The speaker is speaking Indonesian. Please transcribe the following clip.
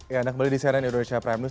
ya anda kembali di cnn indonesia prime news